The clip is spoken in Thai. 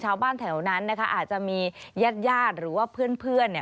ชาวบ้านแถวนั้นอาจจะมียาดหรือว่าเพื่อน